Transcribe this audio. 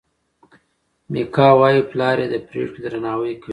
میکا وايي پلار یې د پرېکړې درناوی کوي.